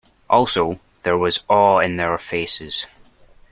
Also, there was awe in their faces.